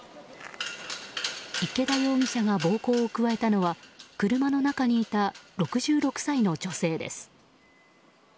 池田容疑者が暴行を加えたのは車の中にいた６６歳の女性です。